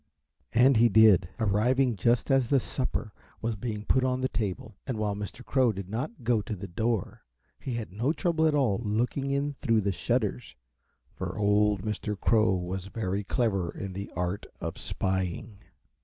And he did, arriving just as the supper was being put on the table; and while Mr. Crow did not go to the door, he had no trouble at all in looking in through the shutters, for old Mr. Crow was very clever in the art of spying.